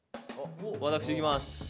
私いきます。